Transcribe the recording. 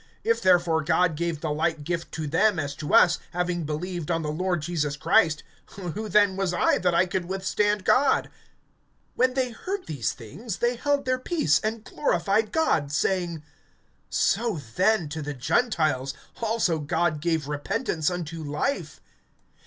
(17)If therefore God gave the like gift to them as to us, having believed on the Lord Jesus Christ, who then was I, that I could withstand God? (18)When they heard these things, they held their peace, and glorified God, saying: So then, to the Gentiles also God gave repentance unto life.